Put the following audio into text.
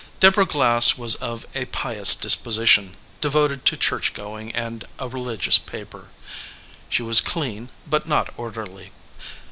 Deborah Glass was of a pious disposition, devoted to church going and a religious paper. She was clean, but not orderly.